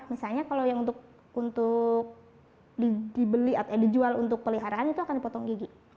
misalnya kalau yang untuk dibeli atau dijual untuk peliharaan itu akan dipotong gigi